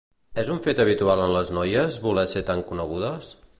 És un fet habitual en les noies, voler ser tan conegudes?